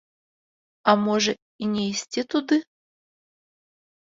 А можа, і не ісці туды.